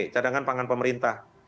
cadangan pangan pemerintah